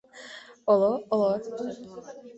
— Оло-оло!